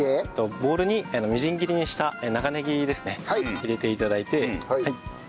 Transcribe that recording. ボウルにみじん切りにした長ねぎですね入れて頂いてはい。